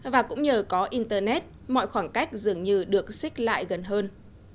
và cũng nhờ có internet mọi khoảng cách dường như được xích lại gần hơn